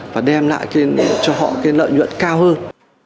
và đem lại cho họ cái lợi nhuận cao hơn